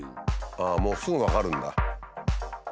ああもうすぐ分かるんだ。